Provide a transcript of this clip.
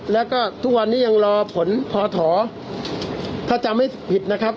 แล้วก็ทุกวันนี้ยังรอผลพอถอถ้าจำไม่ผิดนะครับ